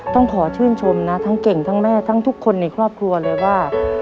ต้องขอชื่นชมนะทั้งเก่งทั้งแม่ทั้งทุกคนในครอบครัวเลยว่า